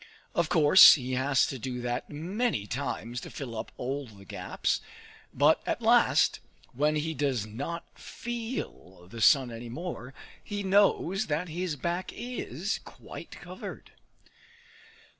Of course he has to do that many times to fill up all the gaps; but at last, when he does not feel the sun any more, he knows that his back is quite covered.